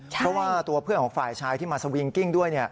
เพราะว่าตัวเพื่อนของฝ่ายชายที่มาสวิงกิ้งด้วย